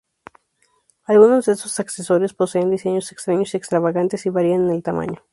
Algunos de estos accesorios poseen diseños extraños y extravagantes y varían en el tamaño.